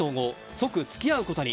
即付き合うことに。